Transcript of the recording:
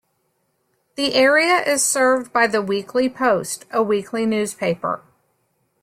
The area is served by "The Weekly Post", a weekly newspaper.